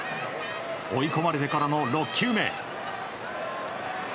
追い込まれてからの６球目。